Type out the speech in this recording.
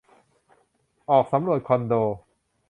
ออกสำรวจคอนโด